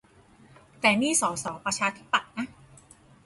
แต่นี่สสประชาธิปัตย์นะ